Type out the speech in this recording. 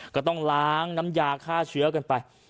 ก็ต้องล้างน้ำยาฆ่าเชื้อกันไป